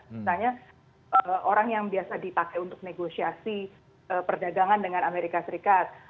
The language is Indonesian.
misalnya orang yang biasa dipakai untuk negosiasi perdagangan dengan amerika serikat